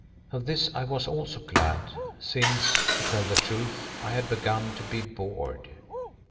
Of this I was also glad, since, to tell the truth, I had begun to be bored.